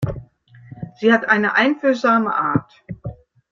Sie hat eine einfühlsame Art.